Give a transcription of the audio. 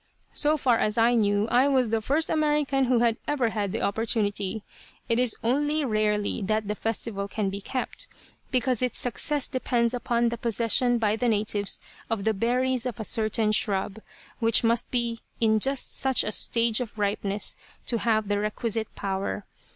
So far as I knew I was the first American who had ever had the opportunity. It is only rarely that the festival can be kept, because its success depends upon the possession by the natives of the berries of a certain shrub, which must be in just such a stage of ripeness to have the requisite power.